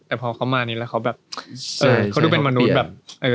แต่พอเขามานี้แล้วเขาแบบเขาดูเป็นมนุษย์แบบ